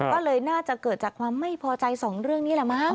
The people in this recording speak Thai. ก็เลยน่าจะเกิดจากความไม่พอใจสองเรื่องนี้แหละมั้ง